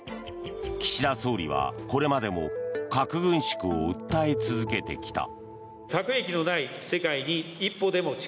岸田総理はこれまでも核軍縮を訴え続けてきた。